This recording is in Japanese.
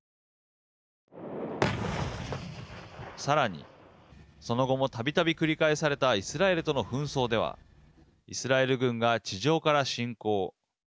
さらにその後もたびたび繰り返されたイスラエルとの紛争ではイスラエル軍が地上から侵攻。